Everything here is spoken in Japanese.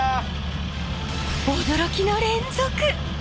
驚きの連続！